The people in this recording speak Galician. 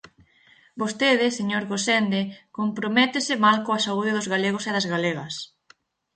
Vostede, señor Gosende, comprométese mal coa saúde dos galegos e das galegas.